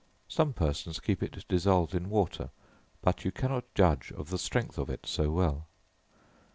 Some persons keep it dissolved in water, but you cannot judge of the strength of it so well.